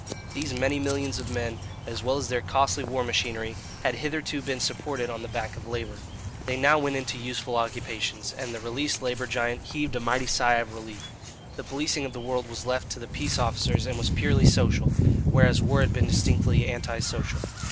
These many millions of men, as well as their costly war machinery, had hitherto been supported on the back of labour. They now went into useful occupations, and the released labour giant heaved a mighty sigh of relief. The policing of the world was left to the peace officers and was purely social, whereas war had been distinctly anti social.